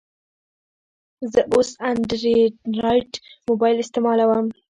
زه اوس انډرایډ موبایل استعمالوم.